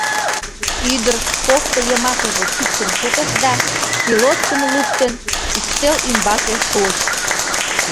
— Ӱдыр кофто йымакыже кидшым чыкыш да, пилоткым луктын, ӱстел ӱмбаке шуыш.